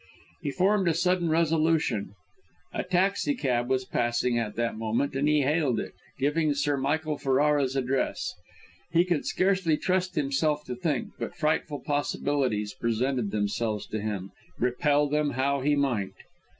He formed a sudden resolution. A taxi cab was passing at that moment, and he hailed it, giving Sir Michael Ferrara's address. He could scarcely trust himself to think, but frightful possibilities presented themselves to him, repel them how he might.